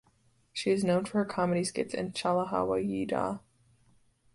She is known for her comedy skits in Chala Hawa Yeu Dya.